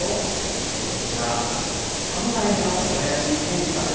こちら、３代目の小林憲司さんです。